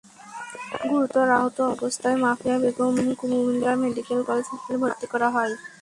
গুরুতর আহত অবস্থায় মাফিয়া বেগমকে কুমিল্লা মেডিকেল কলেজ হাসপাতালে ভর্তি করা হয়।